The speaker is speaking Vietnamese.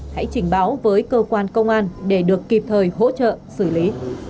hãy trình báo với cơ quan công an để được kịp thời hỗ trợ xử lý